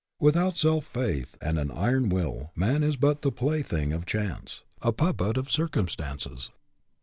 Without self faith and an iron will man is but the plaything of chance, a puppet of circumstances.